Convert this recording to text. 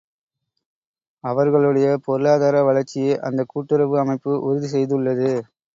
அவர்களுடைய பொருளாதார வளர்ச்சியை அந்தக் கூட்டுறவு அமைப்பு உறுதி செய்துள்ளது.